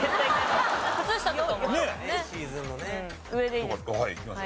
上でいいです。